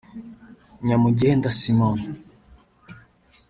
Nyamugenda Simon